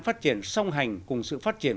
phát triển song hành cùng sự phát triển